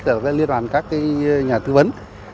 và liên toàn các nhà thư vấn